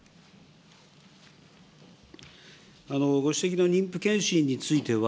ご指摘の妊婦健診については、